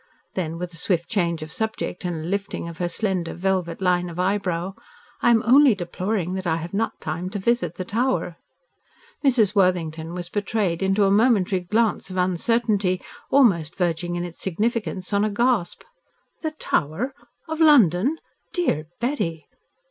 Then, with a swift change of subject and a lifting of her slender, velvet line of eyebrow, "I am only deploring that I have not time to visit the Tower." Mrs. Worthington was betrayed into a momentary glance of uncertainty, almost verging in its significance on a gasp. "The Tower? Of London? Dear Betty!"